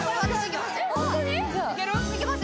いけますよ